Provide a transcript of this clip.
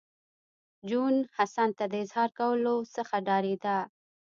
جون حسن ته د اظهار کولو څخه ډارېده